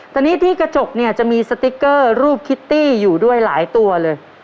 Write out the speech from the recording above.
ตอนนี้ที่กระจกเนี่ยจะมีสติ๊กเกอร์รูปคิตตี้อยู่ด้วยหลายตัวเลย